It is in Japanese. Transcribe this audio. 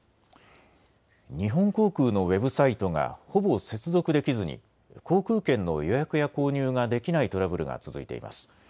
日本航空のウェブサイトがほぼ接続できずに航空券の予約や購入ができないトラブルが続いています。